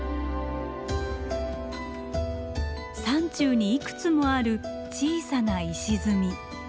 山中にいくつもある小さな石積み。